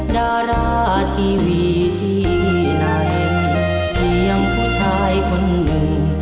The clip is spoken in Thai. ดาราทีวีที่ไหนเพียงผู้ชายคนหนึ่ง